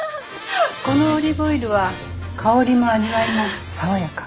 このオリーブオイルは香りも味わいも爽やか。